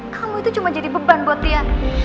kamu itu cuma jadi beban buat dia